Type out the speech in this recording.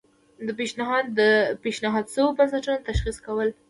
د پیشنهاد شویو بستونو تشخیص کول.